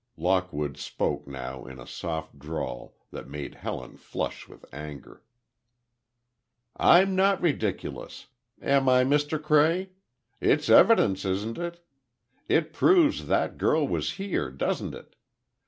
Lockwood spoke now in a soft drawl, that made Helen flush with anger. "I'm not ridiculous! Am I, Mr. Cray? It's evidence, isn't it? It proves that girl was here—doesn't it?